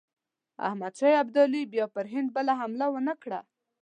احمدشاه ابدالي بیا پر هند بله حمله ونه کړه.